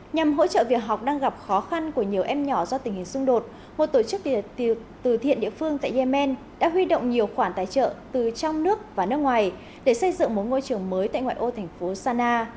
nhằm hỗ trợ việc học đang gặp khó khăn của nhiều em nhỏ do tình hình xung đột một tổ chức từ thiện địa phương tại yemen đã huy động nhiều khoản tài trợ từ trong nước và nước ngoài để xây dựng một ngôi trường mới tại ngoại ô thành phố sana